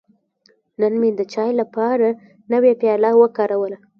نن مې د چای لپاره نوی پیاله وکاروله.